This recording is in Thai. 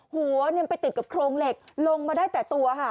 หัวไปติดกับโครงเหล็กลงมาได้แต่ตัวค่ะ